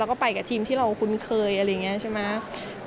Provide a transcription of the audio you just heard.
แล้วก็ไปกับทีมที่เราคุ้นเคยอะไรอย่างนี้ใช่ไหม